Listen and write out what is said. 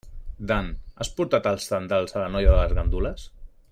Dan, has portat els tendals a la noia de les gandules?